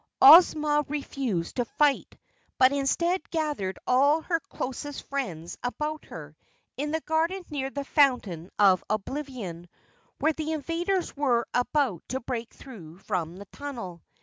Ozma refused to fight, but instead gathered all her closest friends about her in the garden near the Fountain of Oblivion, where the invaders were about to break through from the tunnel.